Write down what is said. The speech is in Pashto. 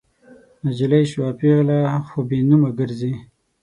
نجلۍ شوه پیغله خو بې نومه ګرزي